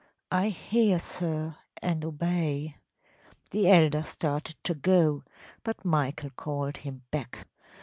‚ÄĚ “I hear, sir, and obey.‚ÄĚ The elder started to go, but Michael called him back.